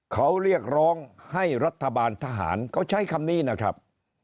เขาเรียกร้องให้รัฐบาลทหารเขาใช้คำนี้นะครับ